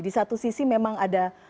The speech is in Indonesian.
di satu sisi memang ada